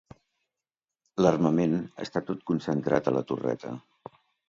L'armament està tot concentrat a la torreta.